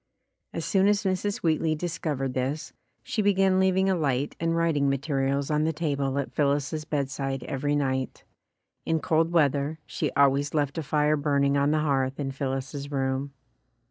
As soon as Mrs. Wheatley discovered this, she began leaving a light and writing materials on the table at Phil lis's bedside every night. In cold weather, she always left a fire burning on the hearth in Phillis's room.